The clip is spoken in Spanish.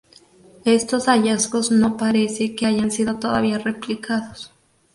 Estos hallazgos no parece que hayan sido todavía replicados.